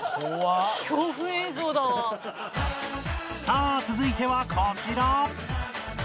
さあ続いてはこちら